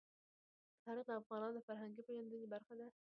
تاریخ د افغانانو د فرهنګي پیژندنې برخه ده.